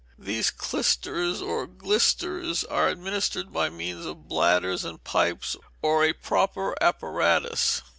These clysters, or glysters, are administered by means of bladders and pipes, or a proper apparatus.